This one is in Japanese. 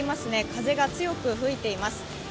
風が強く吹いています。